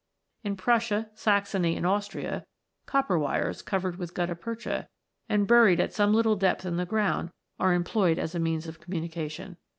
In Prussia, Saxony, and Austria, copper wires, covered with gutta percha, and buried at some little depth in the ground, are employed as a means of communication.